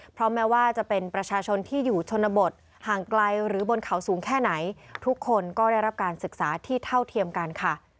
เพราะแม้ว่าจะเป็นประชาชนที่อยู่ชนบทห่างไกลหรือบนเขาสูงแค่ไหนทุกคนก็ได้รับการศึกษาที่เท่าเทียมกันค่ะ